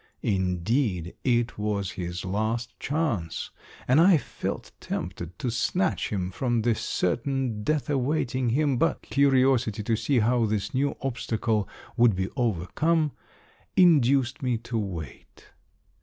Indeed, it was his last chance, and I felt tempted to snatch him from the certain death awaiting him, but curiosity to see how this new obstacle would be overcome induced me to wait.